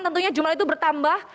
tentunya jumlah itu bertambah